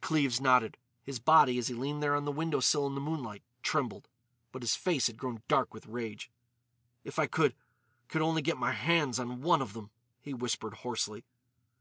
Cleves nodded. His body, as he leaned there on the window sill in the moonlight, trembled. But his face had grown dark with rage. "If I could—could only get my hands on one of them," he whispered hoarsely.